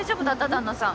旦那さん。